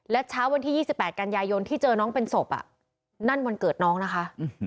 และเช้าวันที่๒๘กันยายนที่เจอน้องเป็นศพนั่นวันเกิดน้องนะคะ